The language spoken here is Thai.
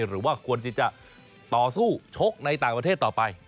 หรือว่าควรที่จะต่อสู้ชกในต่างประเทศต่อไป